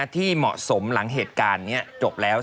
ที่เหมาะสมหลังเหตุการณ์นี้จบแล้ว